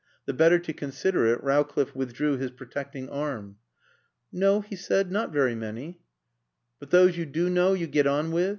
The better to consider it Rowcliffe withdrew his protecting arm. "No," he said, "not very many." "But those you do know you get on with?